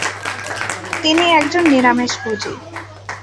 তিনি একজন নিরামিষভোজী।